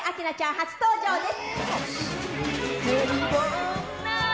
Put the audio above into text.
初登場です。